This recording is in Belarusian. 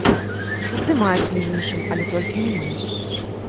І здымаюць, між іншым, але толькі не мы.